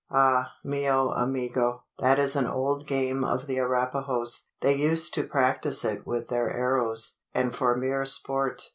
"Ah, mio amigo! that is an old game of the Arapahoes. They used to practise it with their arrows, and for mere sport.